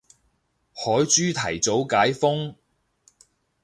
海珠提早解封